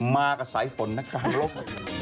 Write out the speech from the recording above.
มากกว่าสายฝนในกลางโลก